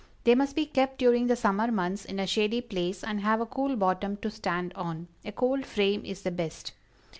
They must be kept during the summer months in a shady place, and have a cool bottom to stand on; a cold frame is the best.